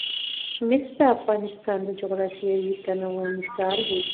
مس د افغانستان د جغرافیوي تنوع مثال دی.